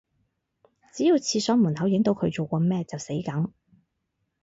只要廁所門口影到佢做過咩就死梗